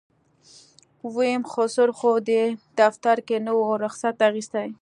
ويم خسر خو دې دفتر کې نه و رخصت يې اخېستی.